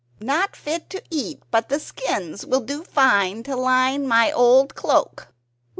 "Not fit to eat; but the skins will do fine to line my old cloak."